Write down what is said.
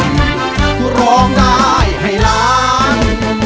ร้องได้ให้ร้านร้องได้ให้ร้าน